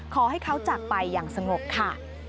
ขอให้เขาจากไปอย่างสงบค่ะ